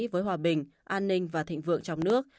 với hòa bình an ninh và thịnh vượng trong nước